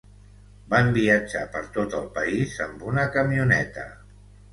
Van viatjar per tot el país amb una camioneta.